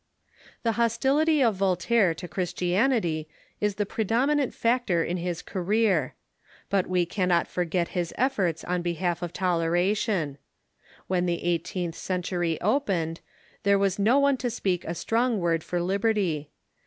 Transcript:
The hostility of Voltaire to Christianity is the predominant factor in his career. But we cannot forget his efforts in behalf Voltaire and ^^ toleration. AVhen the eighteenth century opened. Conciliatory there was no one to speak a strong word for liberty.